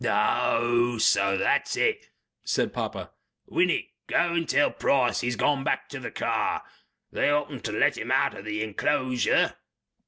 "Aa oo. So THAT'S it!" said Papa. "Winnie, go and tell Price he's gone back to the car.... They oughtn't to have let him out of the enclosure...."